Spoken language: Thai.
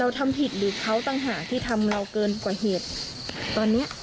ทำผิดหรือเขาต่างหากที่ทำเราเกินกว่าเหตุตอนเนี้ย